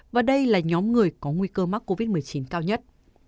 và đây là nhóm người có nguy cơ mắc covid một mươi chín cao nhất